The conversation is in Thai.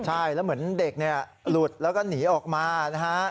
ใช่แล้วเหมือนเด็กเนี่ยหลุดแล้วก็หนีออกมานะฮะ